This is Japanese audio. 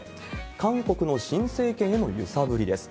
韓国の新政権への揺さぶりです。